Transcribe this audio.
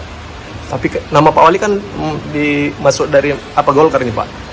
tapi nama pak wali kan dimasuk dari apa golkar ini pak